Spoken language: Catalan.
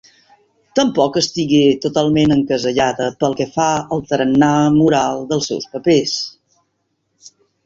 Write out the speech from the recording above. Tampoc estigué totalment encasellada pel que fa al tarannà moral dels seus papers.